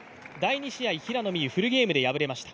第２試合、平野美宇フルゲームで敗れました。